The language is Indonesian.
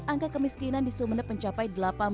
angka kemiskinan di sumeneb mencapai